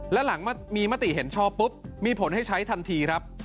และหลังมีมติเห็นชอบปุ๊บมีผลให้ใช้ทันทีครับ